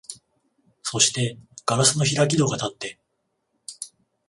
そして硝子の開き戸がたって、